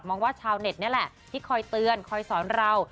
ว่าชาวเน็ตนี่แหละที่คอยเตือนคอยสอนเรา